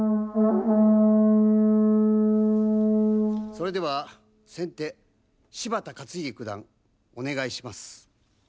それでは先手柴田勝家九段お願いします。